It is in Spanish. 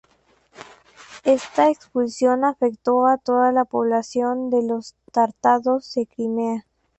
Esta expulsión afectó a toda la población de los tártaros de Crimea.